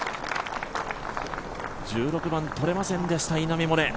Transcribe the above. １６番、とれませんでした、稲見萌寧。